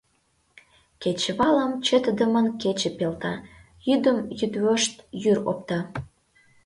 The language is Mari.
Кечывалым чытыдымын кече пелта, йӱдым йӱдвошт йӱр опта.